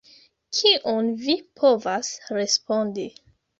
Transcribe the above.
Kion vi povas respondi.